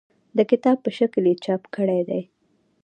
د کتاب په شکل یې چاپ کړي دي.